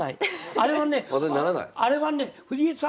あれはね